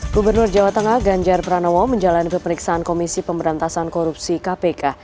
gubernur jawa tengah ganjar pranowo menjalani pemeriksaan komisi pemberantasan korupsi kpk